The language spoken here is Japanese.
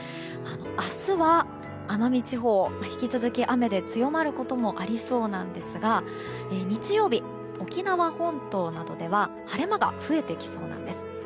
明日は奄美地方引き続きの雨で強まることもありそうですが日曜日、沖縄本島などでは晴れ間が増えてきそうなんです。